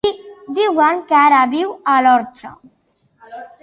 Diuen que ara viu a l'Orxa.